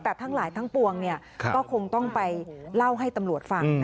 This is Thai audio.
แต่ทั้งหลายทั้งปวงก็คงต้องไปเล่าให้ตำรวจฟัง